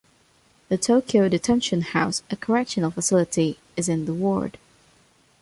The Tokyo Detention House, a correctional facility, is in the ward.